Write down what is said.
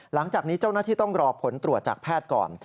หลังจากนี้เจ้าหน้าที่ต้องรอผลตรวจจากแพทย์ก่อน